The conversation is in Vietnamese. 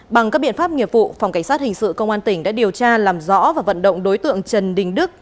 bằng các biện pháp nghiệp vụ phòng cảnh sát hình sự công an tỉnh đã điều tra làm rõ và vận động đối tượng trần đình đức